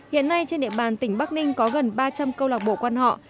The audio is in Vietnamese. hiện nay trên địa bàn tỉnh bắc ninh có gần ba trăm linh câu lạc bộ